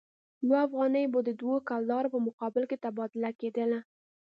یو افغانۍ به د دوه کلدارو په مقابل کې تبادله کېدله.